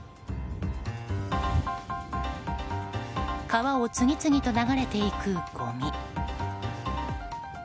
川を次々と流れていくごみ。